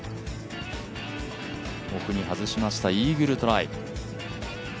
奥に外しました、イーグルトライ。